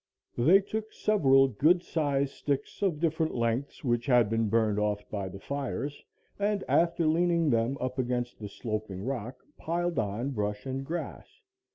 They took several good sized sticks of different lengths which had been burned off by the fires and after leaning them up against the sloping rock, piled on brush and grass.